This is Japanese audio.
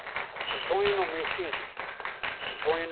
「子孫へのメッセージ」。